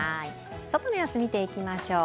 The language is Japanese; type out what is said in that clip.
外の様子を見ていきましょう。